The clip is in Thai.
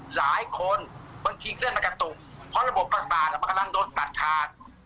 หลายคนบางทีเส้นมันกระตุกเพราะระบบประสาทมันกำลังโดนตัดขาด